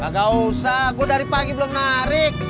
gak usah gue dari pagi belum narik